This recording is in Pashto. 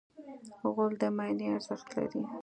غول د معاینې ارزښت لري.